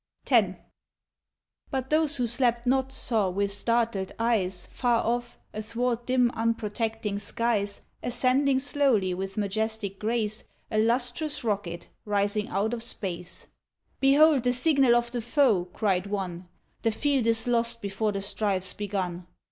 X. But those who slept not, saw with startled eyes Far off, athwart dim unprotecting skies, Ascending slowly with majestic grace, A lustrous rocket, rising out of space. "Behold the signal of the foe," cried one, The field is lost before the strife's begun.